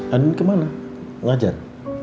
anin kemana ngajar